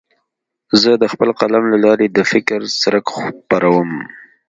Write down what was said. زه د خپل قلم له لارې د فکر څرک خپروم.